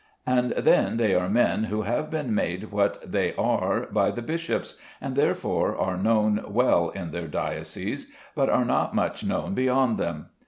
And then they are men who have been made what they are by the bishops, and, therefore, are known well in their dioceses, but are not much known beyond them.